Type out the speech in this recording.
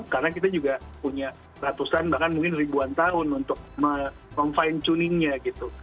karena kita juga punya ratusan bahkan mungkin ribuan tahun untuk memfine tuningnya gitu